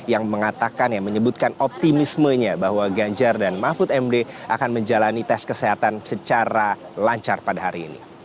yang mengatakan yang menyebutkan optimismenya bahwa ganjar dan mahfud md akan menjalani tes kesehatan secara lancar pada hari ini